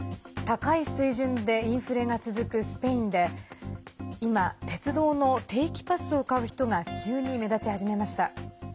高い水準でインフレが続くスペインで今、鉄道の定期パスを買う人が急に目立ち始めました。